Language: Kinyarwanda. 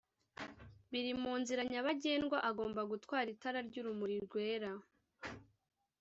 biri mu nzira nyabagendwa agomba gutwara itara ry'urumuri rwera